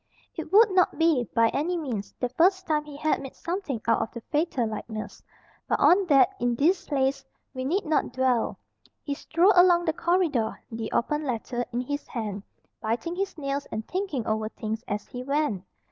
It would not be, by any means, the first time he had made something out of the "fatal likeness," but on that, in this place, we need not dwell. He strolled along the corridor, the open letter in his hand, biting his nails and thinking over things as he went.